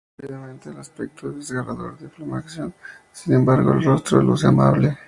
Resalta rápidamente el aspecto desgarrador de la flagelación; sin embargo, el rostro luce amable.